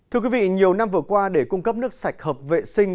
thưa quý vị nhiều năm vừa qua để cung cấp nước sạch hợp vệ sinh